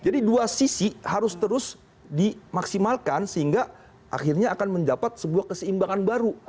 jadi dua sisi harus terus dimaksimalkan sehingga akhirnya akan mendapat sebuah keseimbangan baru